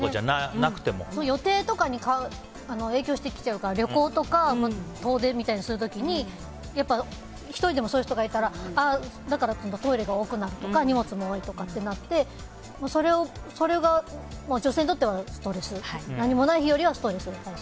予定とかに影響してきちゃうから旅行とか遠出みたいなのをする時に１人でもそういう人がいたらトイレが多くなるとか荷物が多いとかなってそれが女性にとっては何もない日よりはストレス。